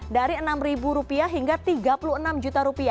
dari rp enam hingga rp tiga puluh enam